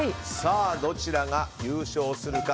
どちらが優勝するか。